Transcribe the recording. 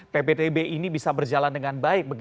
pptb ini bisa berjalan dengan baik